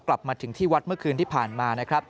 กลับมาถึงที่วัดเมื่อคืนที่ผ่านมานะครับ